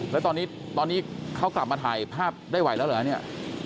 แล้วตอนนี้เขากลับมาถ่ายภาพได้ไหวแล้วเหรอเนี่ย